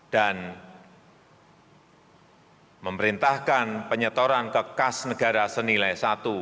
dan memerintahkan penyetoran kekas negara senilai satu